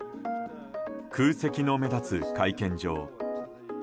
空席の目立つ会見場。